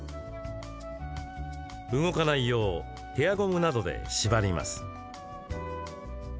動かないようヘアゴムなどで縛ります。